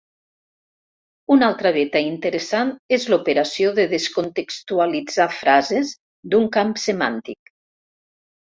Una altra veta interessant és l'operació de descontextualitzar frases d'un camp semàntic.